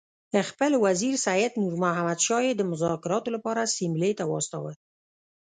خپل وزیر سید نور محمد شاه یې د مذاکراتو لپاره سیملې ته واستاوه.